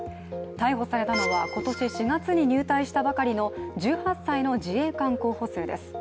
逮捕されたのは今年４月に入隊したばかりの１８歳の自衛官候補生です。